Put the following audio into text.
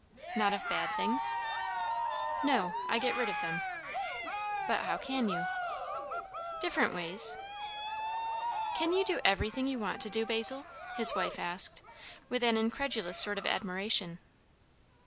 "Not of bad things?" "No. I get rid of them." "But how can you?" "Different ways." "Can you do everything you want to, Basil?" his wife asked, with an incredulous sort of admiration.